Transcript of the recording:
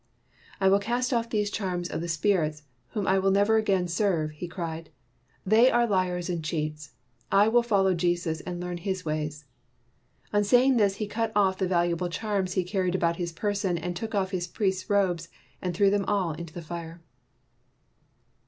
"I will cast off these charms of the spirits, whom I will never again serve," he cried. "They are liars and cheats. I will follow Jesus and learn his ways." On say ing this, he cut off the valuable charms he carried about his person and took off his priest's robes and threw them all into the fire.